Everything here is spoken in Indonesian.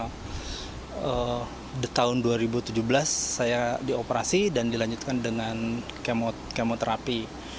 dan di tahun dua ribu tujuh belas saya dioperasi dan dilanjutkan dengan kemoterapi